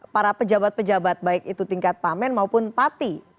para pejabat pejabat baik itu tingkat pamen maupun pati